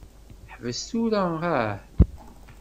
Ḥbes tura hah.